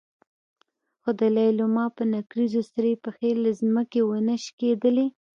خو د لېلما په نکريزو سرې پښې له ځمکې ونه شکېدلې.